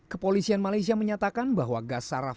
kepolisian malaysia menyatakan bahwa gas saraf